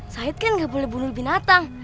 sahid kan nggak boleh bunuh binatang